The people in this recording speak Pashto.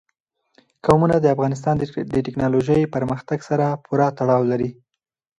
قومونه د افغانستان د تکنالوژۍ پرمختګ سره پوره تړاو لري.